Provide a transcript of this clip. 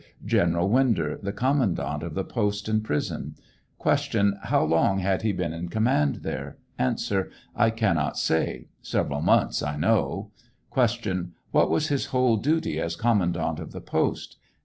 General Winder, the commandant of the post and prison. Q. How long had he been in command there? A. I cannot say ; several months, I know. Q. What was his whole duty as commandant of the post